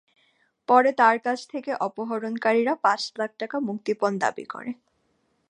পরে তাঁর কাছ থেকে অপহরণকারীরা পাঁচ লাখ টাকা মুক্তিপণ দাবি করে।